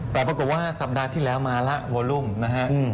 แต่ปรากฏว่าสัปดาห์ที่แล้วมาล่ะโวลุมนะครับ